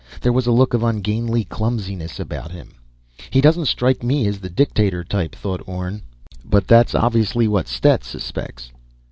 There was a look of ungainly clumsiness about him. He doesn't strike me as the dictator type, thought Orne. _But that's obviously what Stet suspects.